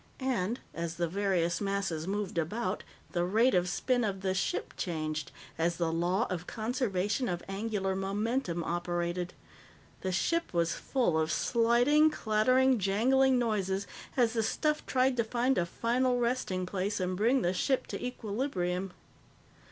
And, as the various masses moved about, the rate of spin of the ship changed as the law of conservation of angular momentum operated. The ship was full of sliding, clattering, jangling noises as the stuff tried to find a final resting place and bring the ship to equilibrium.